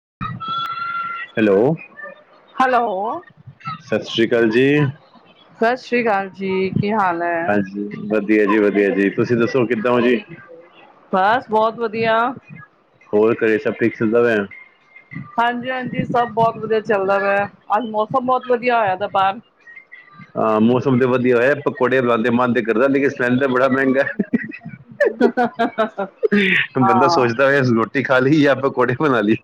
[inaudible] Hello, hello ਸਤਿ ਸ੍ਰੀ ਅਕਾਲ ਜੀ। ਸਤਿ ਸ੍ਰੀ ਅਕਾਲ ਜੀ, ਕੀ ਹਾਲ ਹੈ? ਹਾਂਜੀ ਵਧੀਆ ਜੀ ਵਧੀਆ ਜੀ, ਤੁਸੀਂ ਦੱਸੋ ਕਿੱਦਾਂ ਹੋ ਜੀ। ਬਸ ਬਹੁਤ ਵਧੀਆ। ਹੋਰ ਘਰੇ ਸਭ ਠੀਕ ਚਲਦਾ ਪਿਆ? ਹਾਂਜੀ ਹਾਂਜੀ, ਸਭ ਬਹੁਤ ਵਧੀਆ ਚੱਲਦਾ ਪਿਆ । ਅੱਜ ਮੌਸਮ ਬਹੁਤ ਵਧੀਆ ਹੋਇਆ ਦਾ ਬਾਹਰ। ਹਾਂ ਮੌਸਮ ਤੇ ਵਧੀਆ ਹੋਇਆ, ਪਕੌੜੇ ਬਣਾਉਣ ਤੇ ਮਨ ਤੇ ਕਰਦਾ, ਲੇਕਿਨ ਸਿਲੈਂਡ ਬੜਾ ਮਹਿੰਗਾ। ਬੰਦਾ ਹਾਂ ਸੋਚਦਾ ਹੋਇਆ ਗਾ। ਰੋਟੀ ਖਾ ਲਈ ਜਾਂ ਪਕੌੜੇ ਬਣਾ ਲਈ।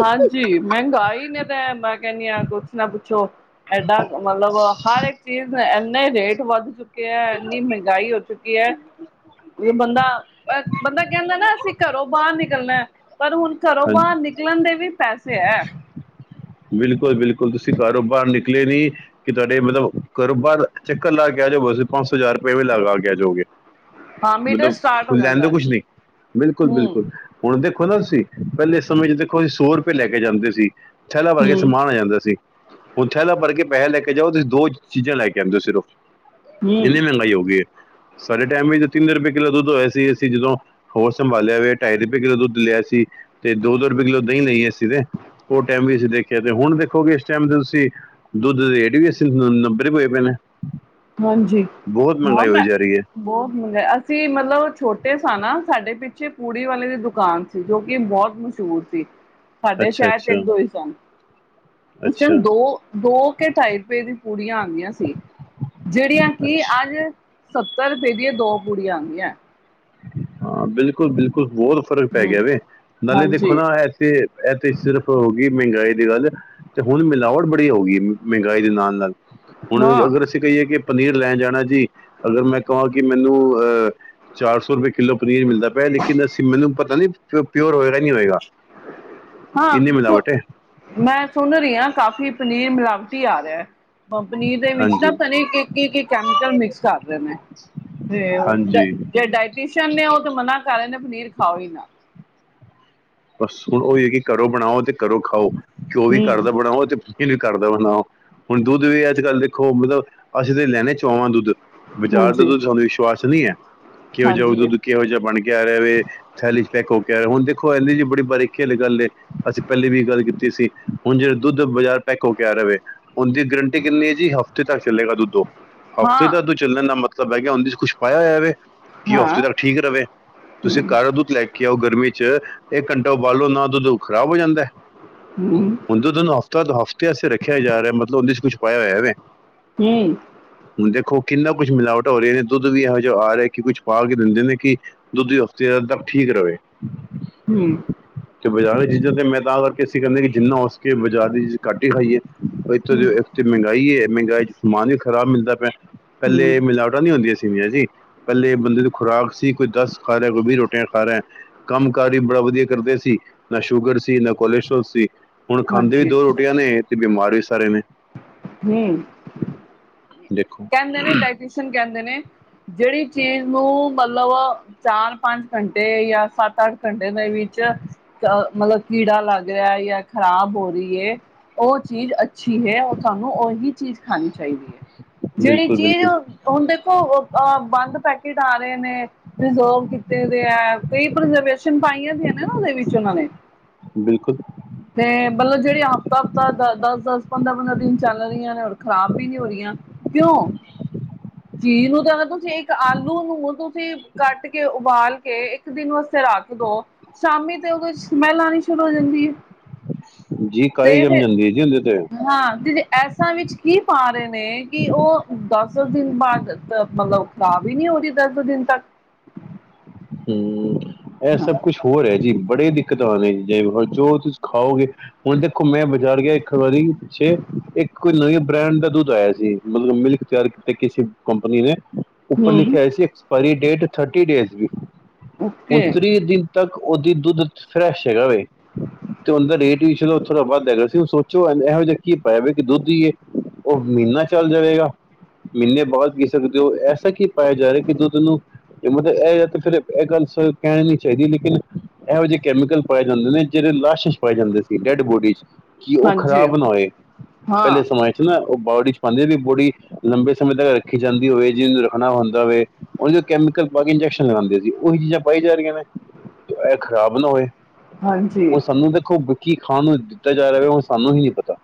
ਹਾਂਜੀ ਮਹਿੰਗਾਈ ਨੇ ਤੇ ਮੈਂ ਕਹਿਣੀ ਹਾਂ ਕੁਛ ਨਾ ਪੁੱਛੋ ਐਡਾ। ਅਹ ਮਤਲਬ ਹਰ ਇੱਕ ਚੀਜ਼। ਇੰਨੇ ਰੇਟ ਵੱਧ ਚੁੱਕੇ ਹੈ। ਇੰਨੀ ਮਹਿੰਗਾਈ ਹੋ ਚੁੱਕੀ ਹੈ। ਬੰਦਾ ਬੰਦਾ ਕਹਿੰਦਾ ਨਾ ਅਸੀਂ ਘਰੋਂ ਬਾਹਰ ਨਿਕਲਣਾ ਹੈ। ਪਰ ਹੁਣ ਘਰੋਂ ਹਾਂਜੀ ਬਾਹਰ ਨਿਕਲਣਾ। ਨਿਕਲਣ ਦੇ ਵੀ ਪੈਸੇ ਹੈ। ਬਿਲਕੁਲ ਬਿਲਕੁਲ ਤੁਸੀਂ ਘਰੋ ਨਿਕਲੇ ਨੀ ਕਿ ਤੁਹਾਡੇ ਮਤਲਬ ਘਰੋਂ ਬਾਹਰ ਚੱਕਰ ਲਾ ਕੇ। ਪੰਜ ਸੌ ਹਜ਼ਾਰ ਰੁਪਏ ਵੀ ਲਗਾ ਕੇ ਆਜੋ ਗੇ। ਹਾਂ ਮੀਟਰ ਸਟਾਰਟ ਮਤਲਬੁ ਹੋ ਲੈਂਦੇ ਜਾਂਦਾ ਕੁਛ ਨਹੀਂ ਬਿਲਕੁਲ ਹਮ ਬਿਲਕੁਲ ਹੁਣ ਦੇਖੋ ਨਾ ਤੁਸੀਂ ਪਹਿਲੇ। ਸਮੇਂ 'ਚ ਦੇਖੋ ਅਸੀਂ ਸੌ ਰੁਪਏ ਲੈ ਕੇ ਜਾਂਦੇ ਸੀ। ਥੈਲਾ ਭਰ ਕੇ ਹਮ ਸਮਾਨ ਆ ਜਾਂਦਾ ਸੀ ਹੁਣ ਥੈਲਾ ਭਰ ਕੇ ਪੈਸਾ ਲੈ ਕੇ ਜਾਓ ਤੁਸੀਂ ਦੋ ਚੀਜ਼ਾਂ ਲੈ ਕੇ ਆਉਂਦੇ ਹੋ ਸਿਰਫ਼। ਹਮ ਇੰਨੀ ਮਹਿੰਗਾਈ ਹੋ ਗਈ ਹੈ। ਸਾਡੇ ਟਾਈਮ ਵਿੱਚ ਤਿੰਨ ਰੁਪਏ। ਕਿੱਲੋ ਦੁੱਧ ਹੋਇਆ ਸੀ। ਅਸੀਂ ਜਦੋਂ ਹੋਸ਼ ਸੰਭਾਲਿਆ ਹੋਇਆ। ਢਾਈ ਰੁਪਏ ਕਿੱਲੋ ਦੁੱਧ ਲਿਆ ਸੀ ਤੇ ਦੋ ਦੋ ਰੁਪਏ ਕਿੱਲੋ ਦਹੀਂ। ਦਹੀਂ ਲਈ ਆ ਅਸੀਂ ਤੇ। ਟਾਈਮ ਵੀ ਅਸੀਂ ਦੇਖਿਆ ਤੇ ਹੁਣ ਦੇਖੋਗੇ ਇਸ ਟਾਈਮ ਦੇ ਤੁਸੀਂ ਦੁੱਧ ਦੇ ਰੇਟ ਵੀ ਅੱਸੀ ਨਬੇ ਰੁਪਏ ਹੀ ਹੋਏ ਪਏ ਨੇ। ਹਾਂਜੀ ਬਹੁਤ ਮਹਿੰਗਾਈ ਹੁਣ ਹੋਈ ਜਾ ਰਹੀ ਹੈ ਬਹੁਤ ਮਹਿੰਗਾਈ ਅਸੀਂ ਮਤਲਬ ਛੋਟੇ ਸਾ ਨਾ। ਸਾਡੇ ਪਿੱਛੇ ਪੂੜੀ ਵਾਲੇ ਦੀ ਦੁਕਾਨ ਸੀ। ਜੋ ਕਿ ਬਹੁਤ ਮਸ਼ਹੂਰ ਸੀ। ਸਾਡੇ ਅੱਛਾ ਸ਼ਹਿਰ 'ਚ ਇੱਕ ਅੱਛਾ ਦੋ ਹੀ ਸਨ। ਬੱਚਿਆਂ ਨੂੰ ਅੱਛਾ ਦੋ ਦੋ ਕੇ ਢਾਈ ਰੁਪਏ ਦੀ ਪੂੜੀਆਂ ਆਉਂਦੀਆਂ ਸੀ। ਜਿਹੜੀਆਂ ਕਿ ਅੱਛਾ ਅੱਜ ਸੱਤਰ ਰੁਪਏ ਦੀਆਂ ਦੋ ਪੂੜੀਆਂ ਆਉਂਦੀਆਂ ਹੈ। ਹਾਂ ਬਿਲਕੁਲ ਬਿਲਕੁਲ। ਬਹੁਤ ਫ਼ਰਕ ਪੈ ਹੂੰ ਗਿਆ ਵੇ ਨਾਲੇ ਦੇਖੋ ਹਾਂਜੀ ਨਾ ਇਥੇ ਇਥੇ ਸਿਰਫ। ਇਹ ਮਹਿੰਗਾਈ ਦੀ ਗੱਲ ਤੇ ਹੁਣ ਮਿਲਾਵਟ ਬੜੀ ਹੋ ਗਈ ਹੈ। ਮਹਿੰਗਾਈ ਦੇ ਨਾਲ ਨਾਲ ਹੁਣ ਹਾਂ ਅਗਰ ਅਸੀਂ ਕਹੀਏ ਕਿ ਪਨੀਰ ਲੈਣ ਜਾਣਾ ਜੀ ਅਗਰ ਮੈਂ ਕਹਾਂ ਕਿ। ਮੈਨੂੰ ਅਹ ਚਾਰ ਸੌ ਰੁਪਏ ਕਿੱਲੋ ਪਨੀਰ ਮਿਲਦਾ ਪਿਆ ਹੈ। ਲੇਕਿਨ ਅਸੀਂ ਮੈਨੂੰ ਪਤਾ ਨੀ। ਉਹ ਪਿਓਰ ਹੋਏਗਾ ਨਹੀਂ ਹੋਏਗਾ। ਹਾਂ ਇੰਨੀ ਹੁਣ ਮਿਲਾਵਟ ਹੈ ਮੈਂ ਸੁਣ ਰਹੀ ਹਾਂ ਕਾਫੀ ਪਨੀਰ ਮਿਲਾਵਟ। ਮਿਲਾਵਟੀ ਆ ਰਿਹਾ ਹੈ। ਪਨੀਰ ਦੇ ਵਿੱਚ ਨਾ ਹਾਂਜੀ ਪਤਾ ਨਹੀਂ ਕਿ ਕਿ ਕੈਮੀਕਲ ਮਿਕਸ ਕਰਦੇ ਨੇ। ਤੇ ਉਹ ਹਾਂਜੀ ਡਾਇਟੀਸ਼ੀਅਨ ਨੇ ਉਹ ਤੇ ਮਨਾ ਕਰ ਰਹੇ ਨੇ ਪਨੀਰ ਖਾਓ ਹੀ ਨਾ। ਬਸ ਹੁਣ ਉਹੀ ਹੀ ਹੈ ਕਿ ਹੁਣ ਘਰੋਂ ਬਣਾਓ ਤੇ ਘਰੋਂ ਖਾਓ ਘਿਓ ਵੀ ਘਰ ਹੂੰ, ਦਾ ਬਣਾਓ ਤੇ। ਘਰ ਦਾ ਬਣਾਓ ਹੁਣ ਦੁੱਧ ਵੀ ਅੱਜ ਕੱਲ ਦੇਖੋ ਮਤਲਬ ਅਸੀਂ ਤੇ ਲੈਣੇ ਚੋਆਵਾਂ ਦੁੱਧ। ਬਾਜ਼ਾਰ ਦਾ ਹਾਂਜੀ, ਤਾਂ ਸਾਨੂੰ ਵਿਸ਼ਵਾਸ ਨਹੀਂ ਹੈ। ਕਿਹੋ ਜਿਹਾ ਉਹ ਹਾਂਜੀ। ਦੁੱਧ ਕਿਹੋ ਜਿਹਾ ਬਣ ਕੇ ਆ ਰਿਹਾ ਵੇ। ਥੈਲੀ 'ਚ ਪੈਕ ਹੋ ਕੇ ਆ ਰਿਹਾ ਹੁਣ ਦੇਖੋ ਥੈਲੀ 'ਚ। ਬੜੀ ਬਾਰੀ ਖੇਲ ਗੱਲ ਏ ਅਸੀਂ ਪਹਿਲੇ ਵੀ ਗੱਲ ਕੀਤੀ ਸੀ। ਹੁਣ ਜਿਹੜਾ ਦੁੱਧ ਬਾਜ਼ਾਰ ਪੈਕ ਹੋ ਕੇ ਆ ਰਿਹਾ ਵੇ। ਉਹਦੀ ਗਰੰਟੀ ਕਿੰਨੀ ਹੈ ਜੀ ਹਫ਼ਤੇ ਤੱਕ ਚੱਲਗਾ। ਦੁੱਧ ਉਹ ਹਫ਼ਤੇ ਹਾਂ। ਤੱਕ ਚੱਲਣ ਦਾ ਮਤਲਬ। ਮਤਲਬ ਹੈ ਕਿ ਉਹਦੇ 'ਚ ਕੁਛ ਪਾਇਆ ਹੋਇਆ ਵੇ ਕਿ ਉਹ ਹਾਂ, ਹਫ਼ਤੇ ਤੱਕ ਠੀਕ ਰਵੇ ਤੁਸੀਂ ਗਾਂ ਦੁੱਧ ਲੈ ਕੇ ਆਓ। ਗਰਮੀ 'ਚ ਇੱਕ ਘੰਟਾ ਉਬਾਲੋ ਨਾ ਦੁੱਧ ਖਰਾਬ ਹੋ ਜਾਂਦਾ ਹੈ। ਹੂੰ, ਹੁਣ ਦੁੱਧ ਨੂੰ ਹਫ਼ਤਾ ਕਾ ਹਫ਼ਤੇ ਵਾਸਤੇ ਰੱਖਿਆ ਜਾ ਰਿਹਾ ਹੈ। ਮਤਲਬ ਉਹਦੇ 'ਚ ਕੁਛ ਪਾਇਆ ਹੋਇਆ ਵੇ। ਹੂੰ। ਦੇਖੋ ਕਿੰਨਾ ਕੁੱਛ ਮਿਲਾਵਟ ਹੋ ਰਹੀ ਹੈ ।ਦੁੱਧ ਵੀ ਇਹੋ ਜਿਹਾ ਆ ਰਿਹਾ ਕਿ ਕੁਛ ਪਾ ਕੇ ਦਿੰਦੇ ਨੇ ਕਿ ਦੁੱਧ ਦੀ ਹਫ਼ਤੇ। ਤੱਕ ਠੀਕ ਰਵੇ। ਹੂੰ। ਕਿ ਬਾਜ਼ਾਰ ਵਾਲੀਆਂ ਚੀਜ਼ਾਂ ਤੇ ਮੈਂ ਤਾਂ ਕਰਕੇ ਅਸੀਂ ਕਹਿੰਦੇ ਕਿ ਜਿੰਨਾ ਹੋ ਸਕੇ ਬਾਜ਼ਾਰ ਦੀ ਚੀਜ਼ ਘੱਟ ਹੀ ਖਾਈਏ। ਉਹ ਇੱਥੋਂ ਹੂੰ, ਦੀ ਇੱਥੇ ਮਹਿੰਗਾਈ ਹੈ। ਮਹਿੰਗਾਈ 'ਚ ਸਮਾਨ ਵੀ ਖ਼ਰਾਬ ਮਿਲਦਾ ਪਿਆ ਹੈ। ਹੂੰ, ਪਹਿਲੇ, ਮਿਲਾਵਟਾਂ ਨੀ ਹੁੰਦੀਆਂ ਸੀਗੀਆਂ ਜੀ। ਪਹਿਲੇੇ ਬੰਦੇ ਦੀ ਖੁਰਾਕ ਸੀ ਕੋਈ ਦਸ ਖਾ ਰਿਹਾ ਕੋਈ ਵੀਹ ਰੋਟੀਆਂ ਖਾ ਰਿਹਾ ਕੰਮ ਕਾਰ। ਬੜਾ ਵਧੀਆ ਕਰਦੇ ਸੀ। ਨਾ ਸ਼ੂਗਰ ਸੀ, ਨਾ ਕੋਲੇਸਟ੍ਰੋਲ ਸੀ। ਹੁਣ ਖਾਂਦੇ ਵੀ ਦੋ ਰੋਟੀਆਂ ਨੇ, ਤੇ ਬਿਮਾਰ ਵੀ ਸਾਰੇ ਨੇ। ਨਹੀਂ। ਦੇਖੋ ਕਹਿੰਦੇ ਨੇ ਡਾਇਟੀਸ਼ੀਅਨ ਕਹਿੰਦੇ ਨੇ। ਜਿਹੜੀ ਚੀਜ਼ ਨੂੰ ਮਤਲਬ ਚਾਰ ਪੰਜ ਘੰਟੇ ਜਾਂ ਸੱਤ ਅੱਠ ਘੰਟੇ ਦੇ ਵਿੱਚ। ਜਾਂ ਮਤਲਬ ਕੀੜਾ ਲੱਗ ਰਿਹਾ ਜਾਂ ਖ਼ਰਾਬ ਹੋ ਰਹੀ ਹੈ। ਉਹ ਚੀਜ਼ ਅੱਛੀ ਹੈ, ਉਹ ਤੁਹਾਨੂੰ ਉਹੀ ਚੀਜ਼ ਖਾਣੀ ਚਾਹੀਦੀ ਹੈ। ਜਿਹੜੀ ਬਿਲਕੁਲ ਚੀਜ਼ ਬਿਲਕੁਲ ਹੁਣ ਦੇਖੋ ਬੰਦ ਪੈਕਟ। ਪੈਕਟ ਆ ਰਹੇ ਨੇ ਪਰਿਜ਼ਰਵ ਕੀਤੇ ਦੇ ਆ। ਛਨ [inaudible] ਪਾਈਆਂ ਦੀਆਂ ਨੇ ਉਹ ਦੇ ਵਿੱਚ ਉਹਨਾਂ ਨੇ ਬਿਲਕੁਲ ਤੇ ਮਤਲਬ ਜਿਹੜੀ ਹਫ਼ਤਾ ਹਫ਼ਤਾ ਦ ਦਸ ਦਸ। ਪੰਦਰਾਂ ਪੰਦਰਾਂ ਦਿਨ ਚੱਲ ਰਹੀਆਂ ਨੇ ਹੁਣ ਖ਼ਰਾਬ ਵੀ ਨਹੀਂ ਹੋ ਰਹੀਆਂ ਕਿਉਂ? ਚੀਜ਼ ਨੂੰ ਤਾਂ ਅਸੀਂ ਤੁਸੀਂ ਇੱਕ ਆਲੂ ਨੂੰ ਤੁਸੀਂ ਕੱਟ ਕੇ ਉਬਾਲ ਕੇ ਇੱਕ ਦਿਨ ਵਾਸਤੇ। ਫਿਰ ਰੱਖ ਦੋ ਸ਼ਾਮੀ ਤੇ ਉਹਦੇ ਵਿਚ ਸਮੈਲ ਆਉਣੀ ਸ਼ੁਰੂ ਹੋ ਜਾਂਦੀ ਹੈ। ਜੀ ਕਾਈ ਤੇ ਜਮ ਫਿਰ ਜਾਂਦੀ ਹੈ ਜੀ ਉਹਦੇ। ਤੇ ਹਾਂ। ਐਸਾਂ ਵਿੱਚ ਕੀ ਪਾ ਰਹੇ ਨੇ ਕਿ ਉਹ ਦਸ- ਦਸ ਦਿਨ ਬਾਅਦ ਮਤਲਬ ਖ਼ਰਾਬ ਹੀ ਨਹੀ ਔਵੀ‌ ਦਸ ਦਿਨ ਤੱਕ। [inaudible] ਹਮਮ, ਇਹ ਸਭ ਕੁਛ ਹੋਰ ਹੈ ਜੀ ਬੜੇ ਦਿੱਕਤ ਵਾਲੇ ਜੇ ਜੋ ਤੁਸੀਂ ਖਾਓਗੇ ਹੁਣ ਦੇਖੋ ਮੈ ਜਾੜ ਗਿਆ ਇਕ ਵਾਰੀ ਪਿੱਛੇ ਇੱਕ ਕੋਈ ਨਵੇਂ ਬ੍ਰੈਂਡ ਦਾ ਦੁੱਧ ਆਇਆ ਸੀ, ਮਤਲਬ ਮਿਲਕ ਤਿਆਰ ਕਿਤਾ ਕਿਸੇ ਕੰਪਨੀੀ ਨੇ ਉੱਪਰ ਹਮ ਲਿਖਿਆ ਆਇਆ ਸੀ, ਐਕਸਪਾਇਰੀ ਡੇਟ ਥਰਟੀ ਡੇਸ ਨੂ ਹੁਣ ਓਕੇ ਤ੍ਰੀ ਦਿਨ ਤੱਕ ਉਹਦੀ ਦੁੱਧ ਫਰੈਸ਼ ਹੈਗਾ ਵੈ ਤ ਤੇ ਉਂਦਾ ਰੇਟ ਵੀ ਚਲੋ ਥੋੜ੍ਹਾ ਵੱਧ ਹੈਗਾ ਸੀ, ਹੁਣ ਸੋਚੋ ਇਹੋ ਜਿਹਾ ਕੀ ਪਾਇਆ ਵੇ ਕਿ ਦੁੱਧ ਈ ਏ ਉਹ ਮੀਨਾੱ ਚੱਲ ਜਾਵੇਗਾ। ਮਹੀਨੇ ਬਾਅਦ ਪੀ ਸਕਦੇ ਹੋ ਐਸਾ ਕੀ ਪਾਇਆ ਜਾ ਰਿਹਾ ਕਿ, ਦੁੱਧ ਨੂੰ ਮਤਲਬ ਇਹ ਜਾਂ ਤੇ ਫਿਰ ਇਹ ਗੱਲ ਸ--ਕਹਿਣੀ ਨੀ ਚਾਹੀਦੀ ਲੇਕਿਨ ਇਹੋ ਜਿਹੇ ਕੈਮੀਕਲ ਪਾਏ ਜਾਂਦੇ ਨੇ ਜਿਹੜੇ ਲਾਸ਼ ਚ ਪਾਏ ਜਾਂਦੇ ਸੀ ਡੈਡ ਬੋਡੀ ਚ। ਕਿ ਉਹ ਹਾਂਜੀ ਖ਼ਰਾਬ ਨਾ ਹੋਏ ਪਹਿਲੇ ਹਾਂ ਸਮਾਂ ਚ ਨਾ ਉਹ ਬੋਡੀ ਚ ਪਾਦੇਂ ਵੀ ਬੋਡੀ ਲੰਬੇ ਸਮੇਂ ਤੱਕ ਰੱਖੀ ਜਾਂਦੀ ਹੋਵੇ, ਜਿਹਨੂੰ ਰੱਖਣਾ ਹੁੰਦਾ ਵੇ ਉਦੇ ਚ ਕੈਮੀ ਕਲ ਪਾ ਕੇ ਇੰਜੈਕਸ਼ਨ ਲਗਾਦੇਂ ਸੀ। ਉਹੀ ਚੀਜ਼ਾਂ ਪਾਈ ਜਾ ਰੀਆ ਨੇ ਜੋ ਇਹ ਖ਼ਰਾਬ ਨਾ ਹੋਏ, ਹਾਂਜੀ ਉਹੁ ਸਾਨੂੰ ਦੇਖੋ ਕੀ ਖਾਣ ਨੂੰ ਦਿੱਤਾ ਜਾ ਰਿਹਾ ਉਹ ਸਾਨੂੰ ਹੀ ਨਹੀ ਪਤਾ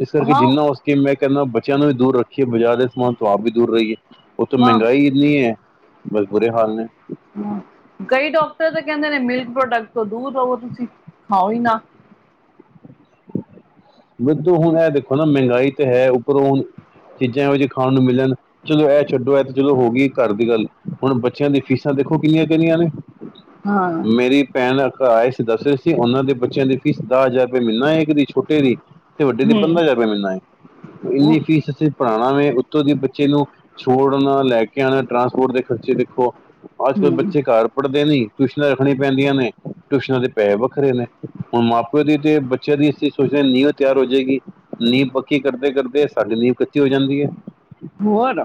ਇਸ ਕਰਕੇ ਹਾਂ ਜਿੰਨਾ ਹੋ ਸਕੇ ਮੈਂ ਕਹਿੰਦਾ ਬੱਚਿਆਂ ਨੂੰ ਵੀ ਦੂਰ ਰੱਖੀਏ ਬਾਜ਼ਾਰ ਦੇ ਸਮਾਨ ਤੋਂ ਆਪ ਵੀ ਦੂਰ ਰਹੀਏ ਉੱਤੋ ਹਾਂ ਮਹਿੰਗਾਈ ਇੰਨੀ ਐ ਬਸ ਬੁਰੇ ਹਾਲ ਨੇ। ਕਈ ਡਾਕਟਰ ਤਾਂ ਕਹਿੰਦੇ ਨੇ ਮਿਲਕ ਪ੍ਰੋਡਕਟ ਤੋਂ ਦੂਰ ਰਵੋ ਤੁਸੀਂ ਖਾਓ ਹੀ ਨਾ। [inaudible] ਵੁਧੂ ਹੁਣ ਇਹ ਦੇਖੋ ਨਾ ਮਹਿੰਗਾਈ ਤੇ ਹੈ, ਉੱਪਰੋਂ ਹੁਣ ਚੀਜ਼ਾਂ ਇਹੋਜੀ ਖਾਣ ਨੂੰ ਮਿਲਣ ਚਲੋ ਇਹ ਛੱਡੋ, ਇਹ ਤਾਂ ਚਲੋ ਹੋ ਗਈ ਘਰ ਦੀ ਗੱਲ, ਹੁਣ ਬੱਚਿਆਂ ਦੀ ਫੀਸਾਂ ਦੇਖੋ ਕਿੰਨੀਆਂ-ਕਿੰਨੀਆਂ ਨੇ ਹਾਂ ਮੇਰੀ ਭੈਣ ਘਰ ਆਏ ਸੀ ਦੱਸ ਰਹੇ ਸੀ, ਉਹਨਾਂ ਦੇ ਬੱਚਿਆਂ ਦੀ ਫੀਸ ਦਾਹ ਹਜ਼ਾਰ ਰੁਪਏ ਮਹੀਨਾ ਏ, ਇੱਕ ਦੀ ਛੋਟੇ ਦੀ। ਤੇ ਵੱਡੇ ਤੇ ਹਮ ਪੰਦਰਾਂ ਹਜ਼ਾਰ ਰੁਪੈ ਮਹੀਨਾ ਏ ਤੇ ਇੰਨੀ ਫੀਸ ਅਸੀ ਪੜ੍ਹਉਣਾ ਵੇ ਉੱਤੋਂ ਦੀ ਬੱਚੇ ਨੂੰ ਛੋੜਨਾ, ਲੈ ਕੇ ਆਉਣਾ ਟਰਾਂਸਪੋਰਟ ਦੇ ਖਰਚੇ ਦੇਖੋ। ਅੱਜ-ਕਲ ਹਮ ਬੱਚੇ ਘਰ ਪੜ੍ਹਦੇ ਨਹੀ ਟਿਊਸ਼ਨਾਂ ਰੱਖਣੀ ਪੈਂਦੀਆਂ ਨੇ, ਟਿਊਸ਼ਨਾਂ ਤੇ ਪੈਹੇ ਵੱਖਰੇ ਨੇ ਹੁਣ ਮਾਂ ਪਿਓ ਦੀ ਤੇ ਬੱਚਿਆਂ ਦੀ ਅਸੀਂ ਸੋਚਦੇ ਹਾਂ ਨੀਅਤ ਤਿਆਰ ਹੋਜੇਗੀ ਨੀਂਹ ਪੱਕੀ ਕਰਦੇ -ਕਰਦੇ ਸਾਡੀ ਨੀਂਵ ਕੱਚੀ ਹੋ ਜਾਂਦੀ ਐ। ਹੋਰ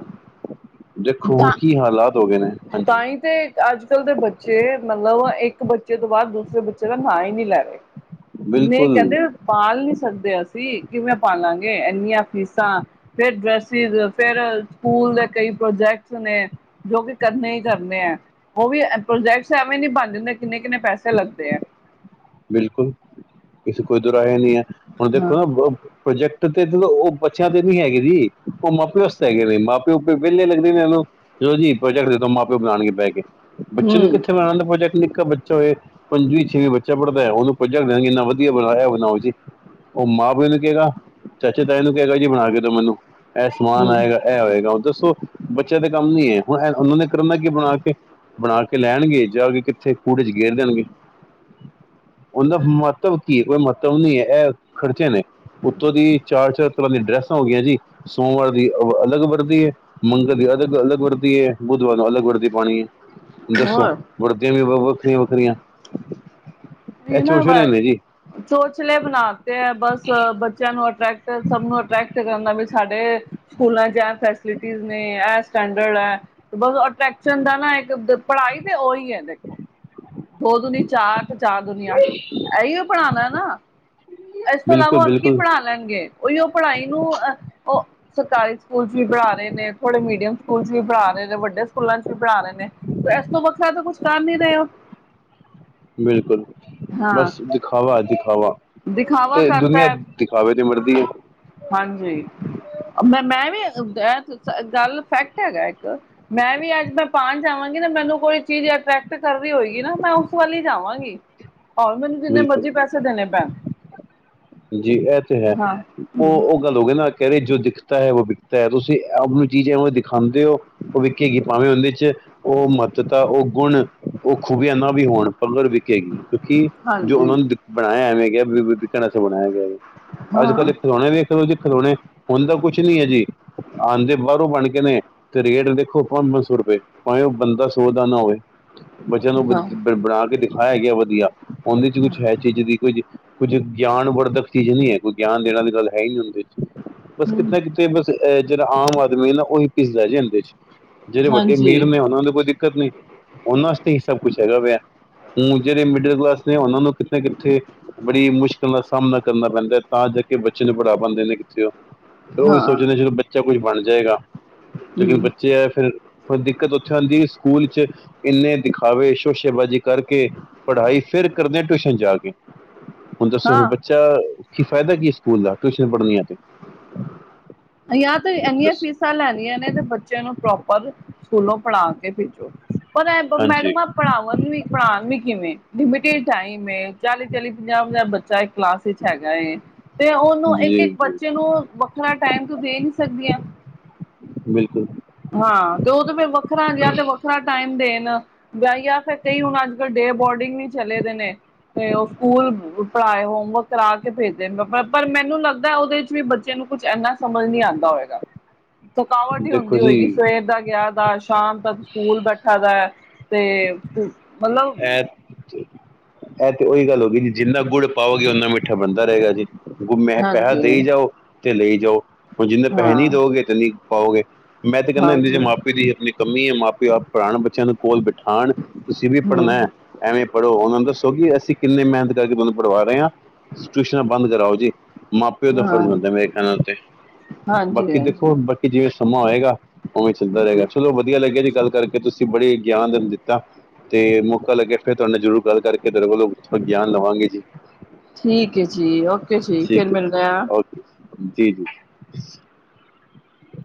ਦੇਖੋ ਤਾਂ ਕੀ ਹਾਲਾਤ ਹੋ ਗਏ ਨੇ। ਹਾਂਜੀ ਤਾਂ ਹੀ ਤੇ ਅੱਜ ਕੱਲ੍ਹ ਦੇ ਬੱਚੇ ਮਤਲਬ ਇੱਕ ਬੱ ਬੱਚੇ ਤੋਂ ਬਾਅਦ ਦੂਸਰੇ ਬੱਚੇ ਦਾ ਨਾਂ ਹੀ ਨਹੀ ਲੈਰੇ ਨੀ ਬਿਲਕੁਲ ਕਹਿੰਦੇ ਪਾਲ ਨੀ ਸਕਦੇ ਅਸੀਂ। ਜੀ ਕਿਵੇਂ ਪਾਾਲਾਂਗੇ ਐਨੀਆ ਫੀਸਾਂ ਫੇਰ ਡਰੈਸਿਸ, ਫੇਰ ਸਕੂਲ ਦੇ ਕਈ ਪ੍ਰੋਜੈਕਟਸ ਨੇ ਜੋ ਕਿ ਕਰਨੇ ਹੀ ਕਰਨੇ ਐ, ਉਹ ਵੀ ਪ੍ਰੋਜੈਕਟਸ ਐਵੇਂ ਨਹੀਂ ਬਣ ਜਾਂਦੇ ਕਿੰਨੇ- ਕਿੰਨੇ ਪੈਸੇ ਲੱਗਦੇ ਐ। ਬਿਲਕੁਲ ਇਸ ਕੋਈ ਦੌਰਾਹੇਂ ਨਹੀਂ ਹੈ, ਹੁਣ ਹਾਂ। ਦੇਖੋ ਨਾ ਵੋ ਪ੍ਰੋਜੈਕ ਤੇ ਉਹ ਬੱਚਿਆਂ ਤੇ ਨੀ ਹੈਗੇ ਜੀ ਉਹ ਮਾਂ- ਪਿਉ ਵਸਤੇ ਹੈਗੇ ਵੇ ਮਾਂ-ਪਿਓ ਵਿਹਲੇ ਲੱਗਦੇ ਨੇ ਇਨਾਂ ਨੂ ਚਲੋ ਜੀ ਪ੍ਰੋਜੈਕਟ ਦੇ ਦੋ ਮਾਂ -ਪਿਓ ਬਣਾਨਗੇ ਬਹਿਕੇ । ਬੱਚੇ ਹੂੰ ਨੂੰ ਕਿੱਥੇ ਬਣਾਨਾ ਆਂਦਾ ਪ੍ਰੋਜੈਕਟ ਨਿਕਾੱ ਬੱਚਾ ਹੋਵੇ ਪੰਜਵੀਂ, ਛੇਵੀਂ ਬੱ ਬੱਚਾ ਪੜਦਾ ਹੈ [inaudible] ਕਿੰਨਾ ਵਧੀਆ ਬਣਾਇਆ ਬਣਾਓ ਜੀ। ਉਹ ਮਾਂ ਪਿਓ ਨੂੰ ਕਹੇਗਾ, ਚਾਚੇ ਤਾਏ ਨੂੰ ਕਹੇਗਾ ਜੀ ਬਣਾ ਕੇ ਦੋ ਮੈਨੂੰ। ਇਹ ਸਮਾਨ ਹੂੰ ਆਏਗਾ, ਇਹ ਹੋਏਗਾ ਹੁਣ ਦੱਸੋ। ਬੱਚਿਆਂ ਦੇ ਕੰਮ ਨੀ ਹੈ, ਹੁਣ ਐ ਉਹਨਾਂ ਨੇ ਕਰਨਾ ਕੀ ਬਣਾ ਕੇ। ਬਣਾ ਕੇ ਲੈਆਣਗੇ ਜਾ ਕੇ ਕਿਥੇ, ਕੂੜੇ ਚ ਗੇਰ ਦੇਣਗੇ। ਉਹਦਾ ਮਹੱਤਵ ਕੀ ਐ, ਕੋਈ ਮਹੱਤਵ ਨੀ ਹੈ, ਇਹ ਖ਼ਰਚੇ ਨੇ‌। ਉੱਤੋਂ ਦੀ ਚਾਰ-ਚਾਰ ਤਰ੍ਹਾਂ ਦਿਆਂ ਡਰੈਸਾਂ ਹੋ ਗਈਆਂ ਜੀ, ਸੋਮਵਾਰ ਦੀ ਅਲੱਗ ਵਰਦੀ ਏ, ਮੰਗਲ ਦੀ ਅਲੱਗ ਅਲੱਗ ਵਰਦੀ ਏ ਬੁ ਅਲੱਗ ਵਰਦੀ ਪਾਨੀ ਏ, ਦੱਸੋ ਹੋਰ ਵਰਦੀਆਂ ਵੀ ਵੱਖਰੀਆਂ- ਵੱਖਰੀਆਂ। ਇਹ ਨਹੀਂ ਨਾ ਚੋਸ਼ਲੇ ਨੇ ਜੀ ਚੋਚਲੇ ਬਣਾ ਤੇ ਐ, ਬਸ ਬੱਚਿਆਂ ਨੂੰ ਅਟਰੈਕਟ ਸਭ ਨੂੰ ਅਟਰੈਕਟ ਕਰਨਾ ਵੀ ਸਾਡੇ ਸਕੂਲਾਂ ਚ ਇਹ ਫੈਸਲਿਟੀਜ਼ ਨੇ, ਇਹ ਸਟੈਂਡਰਡ ਐ, ਬਸ ਅਟਰੈਕਸ਼ਨ ਦਾ ਇੱਕ ਪੜ੍ਹਾਈ ਤੇ ਉਹੀ ਹੈ ਦੇਖੋ, ਦੋ ਦੁਨੀ ਚਾਰ ਤੇ ਚਾਰ ਦੁਨੀ ਅੱਠ, ਇਹੀਓ ਪੜ੍ਹਾਣਾ ਨਾ। ਇਸ ਤੋਂ ਇਲਾਵਾ ਬਿਲਕੁਲ ਹੋਰ ਕੀ ਬਿਲਕੁਲ ਪੜ੍ਹਾ ਲੈਣਗੇ, ਉਹੀਓ ਪੜ੍ਹਾਈ ਨੂੰ ਉਹ- ਉਹ ਸਰਕਾਰੀ ਸਕੂਲ ਚ ਵੀ ਪੜ੍ਹਾ ਪੜਾ ਰਹੇ ਨੇ, ਥੋੜੇ ਮੀਡੀਅਮ ਸਕੂਲ ਚ। ਵੀ ਪੜ੍ਹਾ ਰਹੇ ਨੇ, ਵੱਡੇ ਸਕੂਲਾਂ ਚ ਵੀ ਪੜ੍ਹਾ ਰਹੇ ਨੇ, ਤੇ ਇਸ ਤੋਂ ਵੱਖਰਾ ਤਾਂ ਕੁਛ ਕਰ ਨਹੀਂ ਰਹੇ ਉਹ। ਬਿਲਕੁਲ, ਬਸ ਦਿਖਾਵਾ ਐ ਦਿਖਾਵਾ ਦਿਖਾਵਾ ਤੇ ਕਰਤਾ ਦੁਨੀਆਂ ਹੈ ਦਿਖਾਵੇ ਦੀ ਮਰਦੀ ਏ। ਹਾਂਜੀ, ਮੈਂ- ਮੈਂ ਵੀ ਗੱਲ ਫੈਕਟ ਹੈਗਾ ਇੱਕ, ਮੈਂ ਵੀ ਅੱਜ ਮੈਂ ਪਣ ਜਾਵਾਂਗੀ ਲੇਕਿਨ ਮੈਨੂੰ ਕੋਈ ਚੀਜ਼ ਅਟਰੈਕਟ ਕਰ ਰਹੀ ਹੋਏਗੀ, ਨਾ ਮੈਂ ਉਸ ਵੱਲ ਹੀ ਜਾਵਾਂਗੀ। ਆਹੋ ਮੈਨੂੰ ਕਿੰਨਾ ਬਿਲਕੁਲ ਮਰਜ਼ੀ ਪੈਸੇ ਦੇਣੇ ਪੈਣ, ਜੀ ਇਹ ਤੇ ਹੈ ਹਾਂ। ਹੂੰ ਉਹ -ਉਹ ਗੱਲ ਹੋ ਗਈ ਨਾ, ਕਹਿ ਰਹੇ ਜੋ ਦਿਖਤਾ ਹੈ ਉਹ ਵਿਕਤਾ ਹੈ, ਤੁਸੀਂ ਆਪ ਨੂੰ ਚੀਜ਼ ਐਵੇ ਦਿਖਾਂਦੇ ਹੋ ਉਹ ਵੀ ਵਿਕੇਗੀ ਭਾਵੇਂ ਉਹਦੇ ਵਿਚ ਉਹ ਮਹੱਤਤਾ, ਉਹ ਗੁਣ, ਉਹ ਖੂਬੀਆਂ ਨਾ ਵੀ ਹੋਣ। ਮਗਰ ਵਿਕੇੇਗੀ, ਕਿਉਂਕਿ ਜੋ ਉਹਨਾਂ ਹਾਂਜੀ ਨੂੰ ਬਣਾਇਆ ਐਵੇਂ ਗਿਆ, ਵੀ ਵਿਕਣ ਵਾਸਤੇ ਬਣਾਇਆ ਗਿਆ। ਅੱਜ -ਕੱਲ੍ਹ ਹਾਂ। ਖਿਲੋਣੇ ਦੇਖ ਲੋ ਜੀ ਖਿਲੋਣੇ। ਹੁਣ ਤਾਂ ਕੁਛ ਨੀ ਹੈ ਜੀ, ਆਂਦੇ ਬਾਹਰੋਂ ਬਣ ਕੇ ਨੇ ਤੇ ਰੇਟ ਦੇਖੋ ਪੰਜ -ਪੰਜ ਸੌ ਰੁਪਏ। ਭਾਵੇਂ ਉਹ ਬੰਦਾ ਸੋਚਦਾ ਨਾ ਹੋਵੇ, ਬੱਚਿਆਂ ਨੂੰ ਹਾਂ ਹੂੰ ਬਣਾ ਕੇ ਦਿਖਾਇਆ ਗਿਆ ਵਧੀਆ। ਉਹਦੇ ਵਿਚ ਕੁਛ ਹੈ, ਚੀਜ਼ ਦੀ ਕੁਝ ਕੁੱਝ ਗਿਆਨ ਵਰਧਕ ਚੀਜ਼ ਨਹੀਂ ਐ, ਕੋਈ ਗਿਆਨ ਦੇਣ ਦੀ ਗੱਲ ਹੈ ਹੀ ਨੀ ਹੁੰਦੀ। ਬਸ ਕਿੱਥੇ -ਕਿੱਥੇ ਬਸ ਜਿਹੜਾ ਆਮ ਆਦਮੀ ਏ, ਉਹੀ ਪਿਸ ਜਾਂਦੇ ਆ ਇਹਦੇ ਵਿੱਚ। ਜਿਹੜੇ ਵੱਡੇ ਅਮੀਰ ਹਾਂਜੀ ਨੇ, ਉਹਨਾਂ ਨੂੰ ਕੋਈ ਦਿੱਕ ਦਿੱਕਤ ਨਹੀਂ‌ ਉਹਨਾਂ ਵਾਸਤੇ ਇਹ ਸਭ ਕੁਛ ਹੈਗਾ ਪਿਆ, ਹੁਣ ਜਿਹੜੇ ਮਿਡਲ ਕਲਾਸ ਉਹਨਾਂ ਨੂੰ ਕਿੱਥੇ -ਕਿੱਥੇ ਬੜੀ ਮੁਸ਼ਕਿਲ ਦਾ ਸਾਹਮਣਾ ਕਰਨਾ ਪੈਂਦਾ, ਤਾਂ ਜਾ ਕੇ ਬੱਚੇ ਨੂੰ ਪੜ੍ਹਾ ਪਾਂਦੇ ਨੇ। ਉਹੀ ਹਾਂ ਸੋਚਣਾ ਜਦੋਂ ਬੱਚਾ ਕੁਝ ਬਣ ਜਾਏਗਾ, ਜੇਕਰ ਹੂੰ ਬੱਚੇ ਆ ਫਿਰ ਫਿਰ‌ ਦਿੱਕਤ ਉੱਥੇ ਆਂਦੀ ਏ, ਸਕੂਲ ਚ ਇੰਨੇ ਦਿਖਾਵੇ, ਸ਼ੋਸ਼ੇਬਾਜ਼ੀ ਕਰਕੇ ਪੜ੍ਹਾਈ, ਫਿਰ ਕਰਦੇ ਆਂ ਟਿਊਸ਼ਨ ਜਾ ਕੇ। ਹੁਣ ਦੱਸੋ, ਫਿਰ ਹਾਂ ਬੱਚਾ ਕੀ ਫ਼ਾਇਦਾ ਕੀ ਸਕੂਲ ਦਾ ਟਿਊਸ਼ਨ ਪੜ੍ਹਨੀਆਂ ਤੇ। ਬਾਈ ਆਹ ਤੇ ਇੰਨੀਆਂ ਦੱਸੋ ਫੀਸਾਂ ਲੈਣੀਆਂ ਨੇ, ਤੇ ਬੱਚਿਆਂ ਨੂੰ ਪ੍ਰੋਪਰ ਸਕੂਲੋਂ ਪੜ੍ਹਾ। ਪਰ ਐਹ ਹਾਂਜੀ ਮੈਡਮਾਂ ਪੜ੍ਹਾਵਣ ਵੀ ਪੜ੍ਹਾਣ ਵੀ ਕਿਵੇਂ ਲਿਮਟਿਡ ਟਾਈਮ ਏ, ਚਾਲੀ- ਚਾਲੀ, ਪੰਜਾਹ -ਪੰਜਾਹ ਬੱਚਾ ਕਲਾਸ ਵਿੱਚ ਹੈਗਾ ਏ। ਤੇ ਉਹਨੂੰ ਇੱਕ ਜੀ -ਇੱਕ ਜੀ ਬੱਚੇ ਨੂੰ ਵੱਖਰਾ ਟਾਈਮ ਤੂੰ ਦੇ ਨਹੀਂ ਸਕਦੀਆਂ। ਬਿਲਕੁਲ, ਹਾਂ ਤੇ ਉਹ ਤੇ ਫੇਰ ਵੱਖਰਾ ਜਿਹਾ, ਤੇ ਵੱਖਰਾ ਟਾਈਮ ਦੇਣ। ਜਾਂ ਫਿਰ ਕਈ ਹੁਣ ਅੱਜ -ਕੱਲ੍ਹ ਡੇ ਬੋਰਡਿੰਗ ਵੀ ਚਲੇ ਦੇ ਨੇ। ਤੇ ਉਹ ਸਕੂਲ ਪੜ੍ਹਾਏ ਹੋਮਵਰਕ ਕਰਾ ਕੇ ਭੇਜਦੇ ਨੇ, ਪਾ ਪਰ ਮੈਨੂੰ ਲੱਗਦਾ ਉਹਦੇ ਚ ਵੀ ਬੱਚਿਆਂ ਨੂੰ ਕੁਛ ਇੰਨਾ ਸਮਝ ਨਹੀਂ ਆਂਦਾ ਹੋਏਗਾ। [unintelligible] ਥਕਾਵਟ ਹੀ ਹੁੰਦੀ ਦੇਖੋ ਜੀ ਹੋਏਗੀ, ਸਵੇਰ ਦਾ ਗਿਆ ਦਾ ਸ਼ਾਮ ਤੱਕ ਸਕੂਲ ਬੈਠਾ ਦਾ ਐ। ਐ ਚ ਇਹ ਤੇ ਉਹੀ ਗੱਲ ਹੋ ਗਈ ਜੀ, ਜਿੰਨਾ ਗੁੜ ਪਾਓਗੇ ਓਨਾ ਮਿੱਠਾ ਬਣਦਾ ਰਹੇਗਾ ਜੀ। ਮੈਂ ਪੈਸਾ ਹਾਂਜੀ ਦੇਈ ਜਾਓ ਤੇ ਲਈ ਜਾਓ, ਹੁਣ ਜਿੰਨੇ ਪੈਸੇ ਨਹੀਂ ਹਾਂ ਦਓਗੇ ਤੇ ਨਹੀਂ ਪਾਓਗੇ। ਮੈਂ ਤੇ ਕਹਿੰਦਾ ਇਹਦੇ ਚ ਹਾਂਜੀ ਮਾਪੇ ਦੀ ਆਪਣੀ ਕਮੀ ਏ, ਮਾਪੇ ਆਪ ਪੜ੍ਹਾਣ ਬੱਚਿਆਂ ਨੂੰ ਕੋਲ ਬੈ ਤੁਸੀਂ ਵੀ ਪੜ੍ਹਨਾ, ਹਮ ਐਵੇਂ ਪੜ੍ਹੋ ਉਹਨਾਂ ਨੂੰ ਦੱਸੋ ਕਿ ਅਸੀਂ ਕਿੰਨੇ ਮਿਹਨਤ ਕਰਕੇ ਤੁਹਾਨੂੰ ਪੜਵਾ ਰਹੇ ਹਾਂ, ਟਿਊਸ਼ਨਾਂ ਬੰਦ ਕਰਾਓ ਜੀ। ਮਾਂ- ਪਿਓ ਦਾ ਹਾਂ ਫਰਜ਼ ਬਣਦਾ, ਮੇਰੇ ਖਿਆਲ ਨੇ ਤੇ। ਹਾਂਜੀ ਬਾਕੀ ਦੇਖੋ ਹਾਂਜੀ ਬਾਕੀ ਜਿਵੇਂ ਸਮਾਂ ਹੋਏਗਾ ਉਵੇਂ ਚੱਲਦਾ ਰਹੇਗਾ ਚਲੋ ਵਧੀਆ ਲੱਗਿਆ ਜੀ ਗੱਲ। ਕਰਕੇ ਤੁਸੀਂ ਬੜੇ ਗਿਆਨ ਦੇ ਦਿੱਤਾ ਤੇ ਮੌਕਾ ਲੱਗਿਆ ਫਿਰ ਤੁਹਾਡੇ ਨਾਲ ਜ਼ਰੂਰ ਗੱਲ ਕਰਕੇ। ਤੇਰੇ ਕੋਲੋ ਗਿਆਨ ਲਵਾਂਗੇ ਜੀ। ਠੀਕ ਹੈ ਜੀ ਓਕੇ ਜੀ ਫਿਰ ਠੀਕ ਹੈ ਮਿਲਦੇ ਆ। ਓਕੇ ਜੀ ਜੀ।